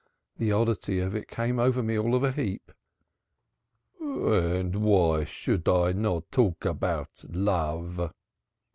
The oddity of it came over me all of a heap." "Why should I not talk about love?"